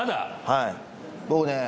はい僕ね